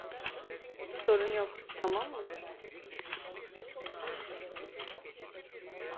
Sorun yok, tamam mı?